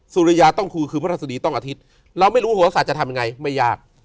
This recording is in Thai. สุริยาต้องครูคือพระราชดีต้องอาทิตย์เราไม่รู้โหลศาสตร์จะทำยังไงไม่ยาก